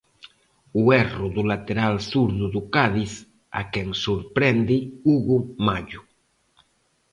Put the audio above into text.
O erro do lateral zurdo do Cádiz a quen sorprende Hugo Mallo.